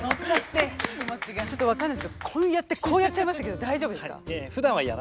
ちょっと分かんないんですけどこうやってこうやっちゃいましたけど大丈夫ですか？